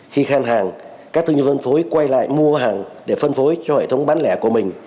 khi khen hàng các thương nhân vân phối quay lại mua hàng để phân phối cho hệ thống bán lẻ của mình